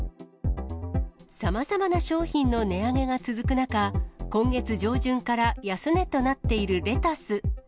さまざまな商品の値上げが続く中、今月上旬から安値となっているレタス。